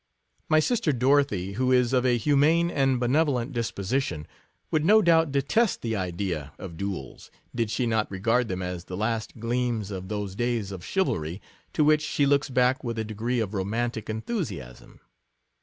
My sister Dorothy, who is of a humane and benevolent disposition, would, no doubt, detest the idea of duels, did she not regard them as the last gleams of those days of chi valry, to which she looks back with a degree of romantic enthusiasm.